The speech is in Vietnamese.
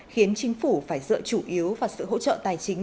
khiến chính phủ phải dựa chủ yếu vào sự hỗ trợ tài chính